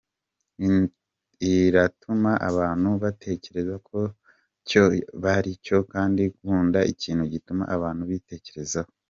Iratuma abantu batekereza ku cyo baricyo, kandi nkunda ikintu gituma abantu bitekerezaho.